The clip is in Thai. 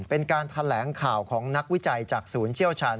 เป็นการแถลงข่าวของนักวิจัยจากศูนย์เชี่ยวชาญ